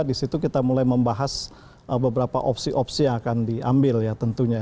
di situ kita mulai membahas beberapa opsi opsi yang akan diambil ya tentunya